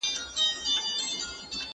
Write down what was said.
ونه د بزګر له خوا اوبه کيږي؟!